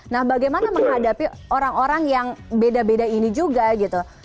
nah bagaimana menghadapi orang orang yang beda beda ini juga gitu